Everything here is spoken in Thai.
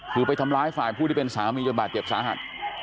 คือไปทำร้ายฝ่ายผู้ที่เป็นสามีจนบาดเจ็บสาหัส